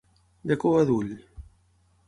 De cua d'ull.